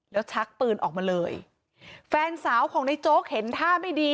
แล้วชักปืนออกมาเลยแฟนสาวของในโจ๊กเห็นท่าไม่ดี